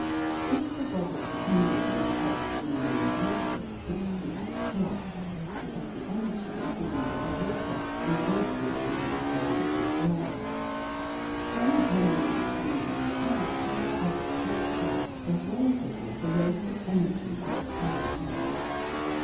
If the bob of the pendulum is set swinging in water it soon stops, because the energy is given to the water and wasted in little eddies and whirls. When the pendulum swings in the air there are eddies also, but relatively the waste of energy is far less.